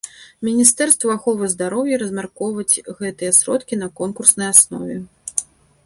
Міністэрству аховы здароўя размяркоўваць гэтыя сродкі на конкурснай аснове.